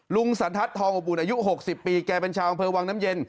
ลุงสันทัศน์ทองอบอุ่นอายุ๖๐ปีแกเป็นชาวอำเภอวังน้ำเย็น